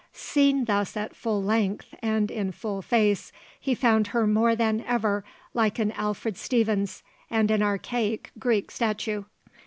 Seen thus at full length and in full face he found her more than ever like an Alfred Stevens and an archaic Greek statue.